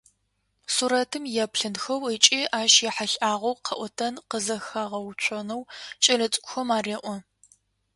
Сурэтым еплъынхэу ыкӏи ащ ехьылӏагъэу къэӏотэн къызэхагъэуцонэу кӏэлэцӏыкӏухэм ареӏо.